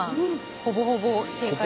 ほぼほぼ正解です。